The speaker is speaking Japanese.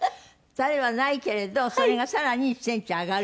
垂れはないけれどそれが更に１センチ上がる？